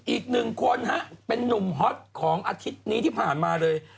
อีกหนึ่งคนฮะเป็นนุ่มฮอตของอาทิตย์นี้ที่ผ่านมาเลย